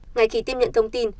ngày kỳ tiếp nhận thông tin